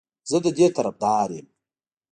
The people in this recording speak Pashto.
زه د دې طرفدار یم